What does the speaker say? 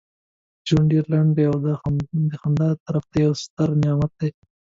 ژوند ډیر لنډ دی او دا دخدای له طرفه یو ستر نعمت دی.